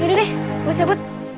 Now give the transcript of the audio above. yaudah deh gue cepet